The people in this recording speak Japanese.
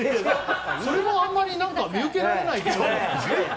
それもあんまり見受けられない。